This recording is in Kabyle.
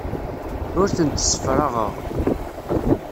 Ur tent-ssefraɣeɣ.